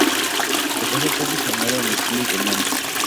La casa fue diseñada en estilo italiano.